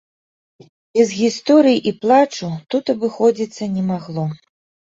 Без гісторый і плачу тут абыходзіцца не магло.